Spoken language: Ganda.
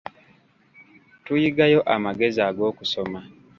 Tuyigayo amagezi ag'okusoma.